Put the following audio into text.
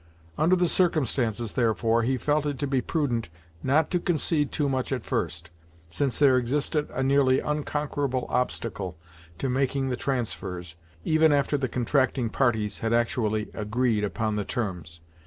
Under the circumstances, therefore, he felt it to be prudent not to concede too much at first, since there existed a nearly unconquerable obstacle to making the transfers, even after the contracting parties had actually agreed upon the terms.